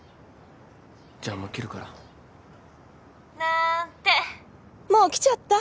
じゃあもう切るから。なんてもう来ちゃった。